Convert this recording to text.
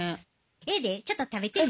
ええでちょっと食べてみ。